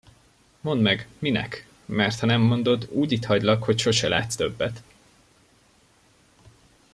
Mondd meg, minek, mert ha nem mondod, úgy itthagylak, hogy sose látsz többet.